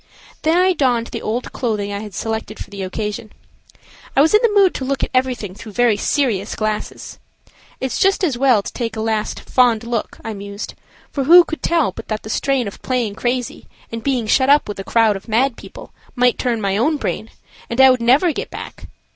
Then I donned the old clothing I had selected for the occasion. I was in the mood to look at everything through very serious glasses. It's just as well to take a last "fond look," I mused, for who could tell but that the strain of playing crazy, and being shut up with a crowd of mad people, might turn my own brain, and I would never get back.